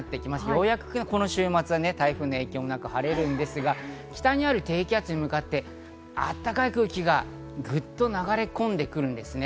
ようやくこの週末は台風の影響もなく晴れるんですが、北にある低気圧に向かってあったかい空気がぐっと流れ込んでくるんですね。